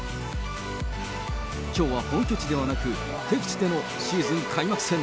きょうは本拠地ではなく、敵地でのシーズン開幕戦。